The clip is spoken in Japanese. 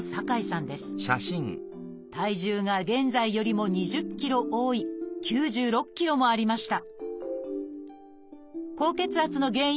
体重が現在よりも２０ｋｇ多い９６ｋｇもありました。